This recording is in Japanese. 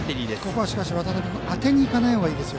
ここは渡邉君当てにいかない方がいいです。